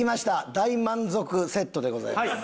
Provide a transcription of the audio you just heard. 大満足セットでございます。